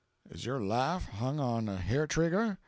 "Is your laugh hung on a hair trigger?